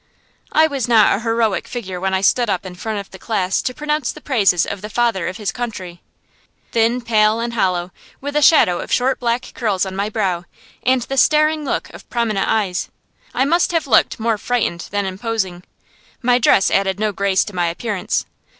I was not a heroic figure when I stood up in front of the class to pronounce the praises of the Father of his Country. Thin, pale, and hollow, with a shadow of short black curls on my brow, and the staring look of prominent eyes, I must have looked more frightened than imposing. My dress added no grace to my appearance.